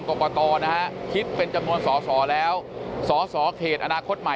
กรกตกลางได้รับรายงานผลนับคะแนนจากทั่วประเทศมาแล้วร้อยละ๔๕๕๔พักการเมืองที่มีแคนดิเดตนายกคนสำคัญ